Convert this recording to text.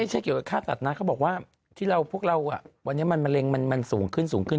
ไม่ค่าสัตว์นะเขาบอกว่าพวกเรามันมะเริงมันสูงขึ้นซูงขึ้น